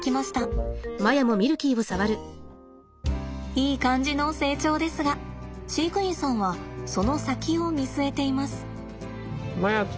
いい感じの成長ですが飼育員さんはその先を見据えています。